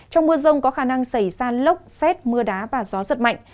trong mưa rông có khả năng xảy ra lốc xét mưa đá và gió giật mạnh